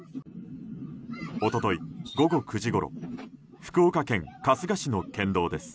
一昨日、午後９時ごろ福岡県春日市の県道です。